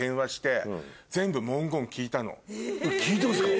聞いたんすか？